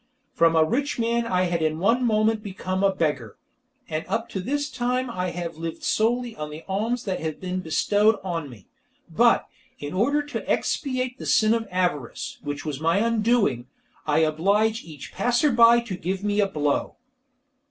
From a rich man I had in one moment become a beggar; and up to this time I have lived solely on the alms that have been bestowed on me. But, in order to expiate the sin of avarice, which was my undoing, I oblige each passer by to give me a blow.